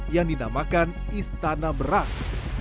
yang dinamakan istana beras